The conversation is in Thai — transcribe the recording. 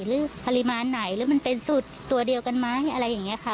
หรือปริมาณไหนหรือมันเป็นสูตรตัวเดียวกันไหมอะไรอย่างนี้ค่ะ